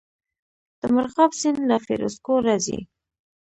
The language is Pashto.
د مرغاب سیند له فیروز کوه راځي